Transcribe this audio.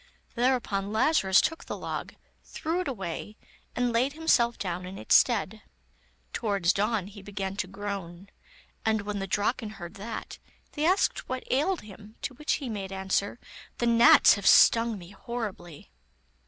Thereupon Lazarus took the log, threw it away, and laid himself down in its stead. Towards dawn, he began to groan, and when the Draken heard that, they asked what ailed him, to which he made answer: 'The gnats have stung me horribly.